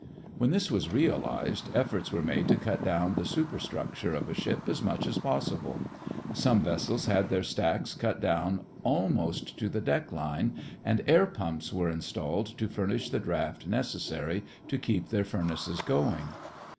When this was realized, efforts were made to cut down the superstructure of a ship as much as possible. Some vessels had their stacks cut down almost to the deck line, and air pumps were installed to furnish the draft necessary to keep their furnaces going.